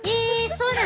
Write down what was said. そうなの？